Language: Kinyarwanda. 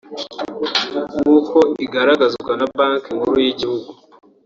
nkuko igaragazwa na Banki Nkuru y’Igihugu